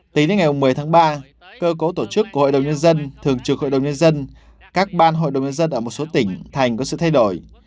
tính đến ngày một mươi tháng ba cơ cấu tổ chức của hội đồng nhân dân thường trực hội đồng nhân dân các ban hội đồng nhân dân ở một số tỉnh thành có sự thay đổi